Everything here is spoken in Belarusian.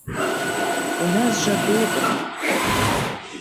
У нас жа добра.